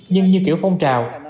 nhưng như kiểu phong trào